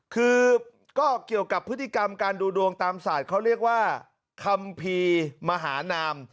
คือก็เกี่ยวกับพฤติกรรมการดูดวงตามศาสตร์เขาเรียกว่าคัมภีร์มหานาม